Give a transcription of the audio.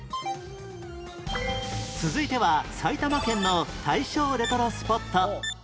続いては埼玉県の大正レトロスポット